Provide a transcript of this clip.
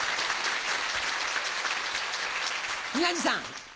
宮治さん。